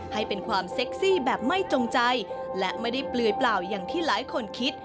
ให้เป็นความเซ็กซี่แบบไม่จงใจและไม่ได้เปลือยเปล่าอย่างที่หลายคนคิด